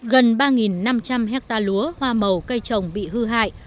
gần ba năm trăm linh hectare lúa hoa màu cây trồng bị hư hại